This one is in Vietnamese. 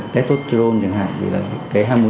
tétotrol chẳng hạn vì là cái ham muốn